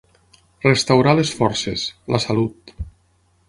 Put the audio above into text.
Restaurar les forces, la salut.